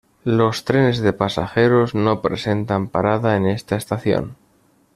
Los trenes de pasajeros no presentan parada en esta estación.